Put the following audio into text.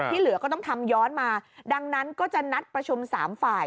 เหลือก็ต้องทำย้อนมาดังนั้นก็จะนัดประชุมสามฝ่าย